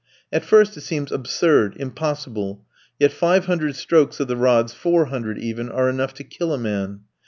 At first it seems absurd, impossible, yet five hundred strokes of the rods, four hundred even, are enough to kill a man.